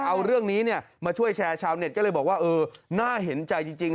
เอาเรื่องนี้มาช่วยแชร์ชาวเน็ตก็เลยบอกว่าเออน่าเห็นใจจริง